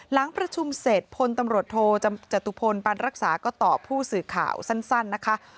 หลังประชุมเสร็จพลตำรวจโทจตุพลปันรักษาก็ตอบผู้สื่อข่าวสั้นนะคะ